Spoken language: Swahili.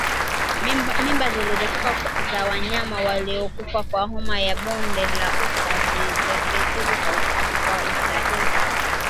Mimba zilizotoka za wanyama waliokufa kwa homa ya bonde la ufa ziteketezwe kwa usahihi